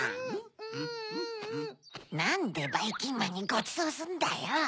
なんでばいきんまんにごちそうすんだよ。